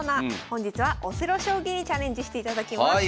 本日はオセロ将棋にチャレンジしていただきます。